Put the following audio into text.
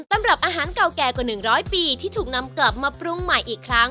สำหรับอาหารเก่าแก่กว่า๑๐๐ปีที่ถูกนำกลับมาปรุงใหม่อีกครั้ง